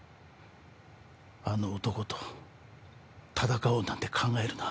あの男と戦おうなんて考えるな。